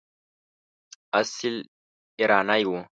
اصیل ایرانی نه وو.